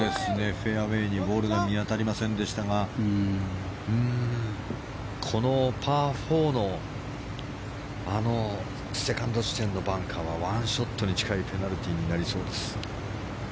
フェアウェーにボールが見当たりませんでしたがこのパー４のあのセカンド地点のバンカーは１ショットに近いペナルティーになりそうです。